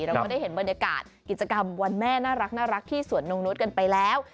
เราก็ได้เห็นบรรยากาศกิจกรรมวันแม่น่ารักที่สวนนงนุษย์กันไปแล้ว